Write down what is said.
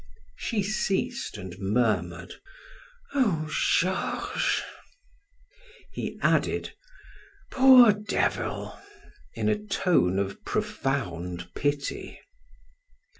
She ceased and murmured: "Oh, Georges!" He added: "Poor devil!" in a tone of profound pity.